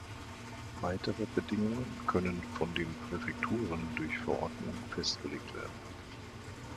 Weitere Bedingungen können von den Präfekturen durch Verordnung festgelegt werden.